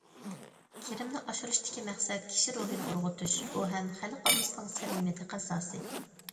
كىرىمنى ئاشۇرۇشتىكى مەقسەت كىشى روھىنى ئۇرغۇتۇش، ئۇ ھەم خەلق ئاممىسىنىڭ سەمىمىي تەقەززاسى.